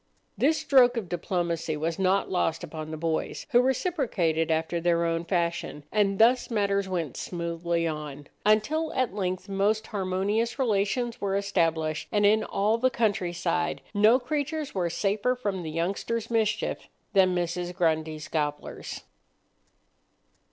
This stroke of diplomacy was not lost upon the boys, who reciprocated after their own fashion: and thus matters went smoothly on, until at length most harmonious relations were established, and in all the countryside no creatures were safer from the youngsters' mischief than Mrs. Grundy's gobblers.